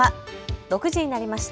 ６時になりました。